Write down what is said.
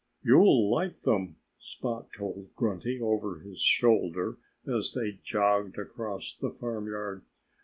"You'll like them," Spot told Grunty over his shoulder as they jogged across the farmyard.